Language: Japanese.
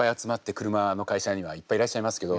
車の会社にはいっぱいいらっしゃいますけど。